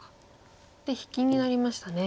で引きになりましたね。